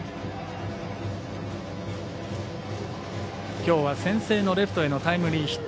きょうは先制のレフトへのタイムリーヒット。